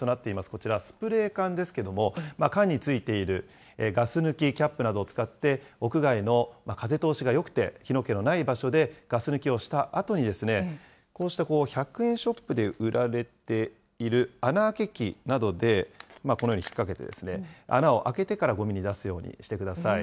こちら、スプレー缶ですけれども、缶についているガス抜きキャップなどを使って、屋外の風通しがよくて火の気のない場所で、ガス抜きをしたあとに、こうした１００円ショップで売られている穴あけ機などでこのように引っ掛けて穴をあけてからごみに出すようにしてください。